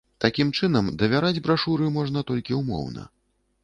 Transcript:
Такім чынам, давяраць брашуры можна толькі ўмоўна.